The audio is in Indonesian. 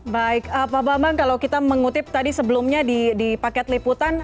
baik pak bambang kalau kita mengutip tadi sebelumnya di paket liputan